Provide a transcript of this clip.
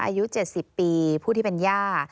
อายุ๗๐ปีผู้ที่เป็นย่า